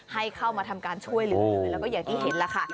ให้เข้ามาทำการช่วยเหลือเลยแล้วก็อย่างที่เห็นแล้วค่ะ